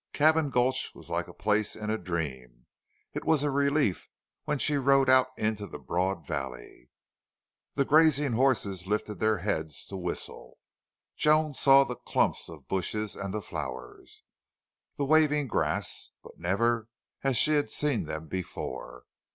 Cabin Gulch was like a place in a dream. It was a relief when she rode out into the broad valley. The grazing horses lifted their heads to whistle. Joan saw the clumps of bushes and the flowers, the waving grass, but never as she had seen them before.